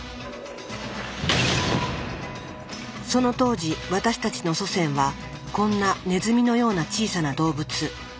その当時私たちの祖先はこんなネズミのような小さな動物。